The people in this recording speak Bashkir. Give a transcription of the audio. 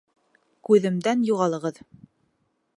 Күҙемдән юғалығыҙ!